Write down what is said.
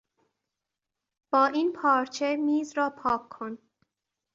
با این پارچه میز را پاک کن.